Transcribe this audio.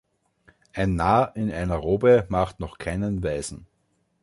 Ein Narr in einer Robe macht noch keinen Weisen.